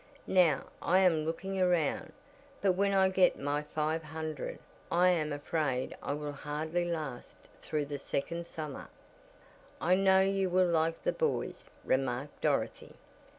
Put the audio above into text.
Now I am looking around, but when I get my five hundred I am afraid I will hardly last through the second summer." "I know you will like the boys," remarked Dorothy.